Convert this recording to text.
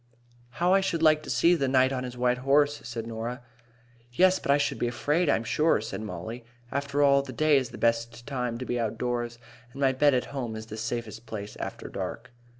"How I should like to see the knight on his white horse!" said Norah. "Yes, but I should be afraid, I'm sure," said Mollie. "After all, the day is the best time to be outdoors, and my bed at home is the safest place after dark."